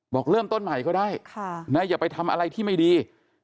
บอกเริ่มต้นใหม่ก็ได้อย่าไปทำอะไรที่ไม่ดี